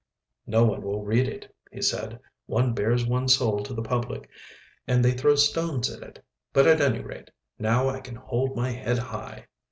"No one will read it," he said. "One bares one's soul to the public and they throw stones at it. But at any rate, now I can hold my head high."